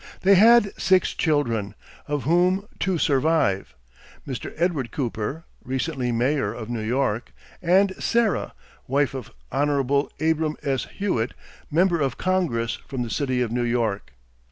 They had six children, of whom two survive, Mr. Edward Cooper, recently mayor of New York, and Sarah, wife of Hon. Abram S. Hewitt, member of Congress from the city of New York.